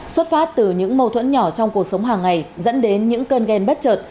xuất phát từ những mâu thuẫn nhỏ trong cuộc sống hàng ngày dẫn đến những cơn ghen bất trợt